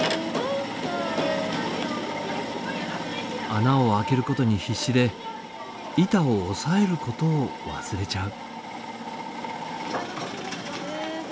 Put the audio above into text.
穴を開けることに必死で板を押さえることを忘れちゃう。